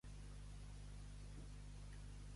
A exemple de.